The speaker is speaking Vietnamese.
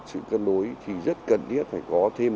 sự cân đối thì rất cần thiết phải có thêm